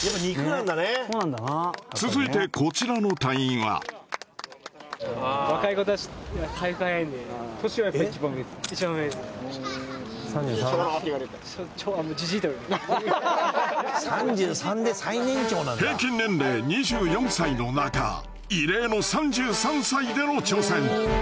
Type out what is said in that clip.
続いてこちらの隊員はの中異例の３３歳での挑戦